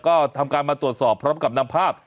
ก็ทำการมาตรวจสอบพร้อมกับนำภาพ